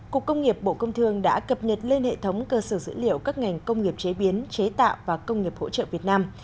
cục công nghiệp bộ công thương đã cập nhật lên hệ thống cơ sở dữ liệu các ngành công nghiệp chế biến chế tạo và công nghiệp hỗ trợ việt nam